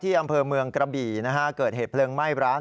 อำเภอเมืองกระบี่นะฮะเกิดเหตุเพลิงไหม้ร้าน